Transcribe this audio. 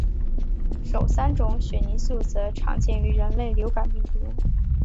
首三种血凝素则常见于人类流感病毒。